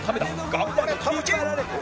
頑張れ田渕！